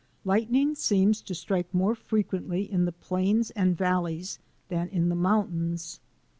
Lightning seems to strike more frequently in the plains and valleys than in the mountains.